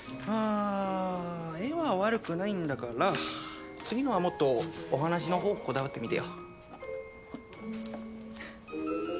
まあ絵は悪くないんだから次のはもっとお話のほうこだわってみてよ。